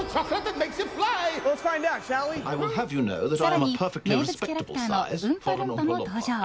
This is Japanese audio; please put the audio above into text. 更に、名物キャラクターのウンパルンパも登場。